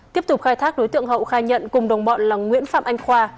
tiếp tục khai thác đối tượng hậu khai nhận cùng đồng bọn là nguyễn phạm anh khoa